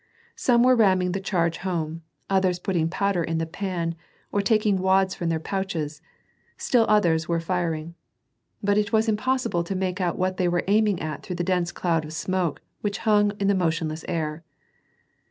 Some were ramming the charge home, others putting powder in the pan, or taking wads from their pouches ; still others were firing. But it was impossible to make out what they were aiming at tlirough the dense cloud of smoke which hung in the motionless air.